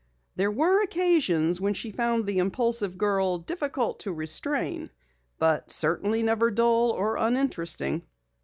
There were occasions when she found the impulsive girl difficult to restrain, but certainly never dull or uninteresting.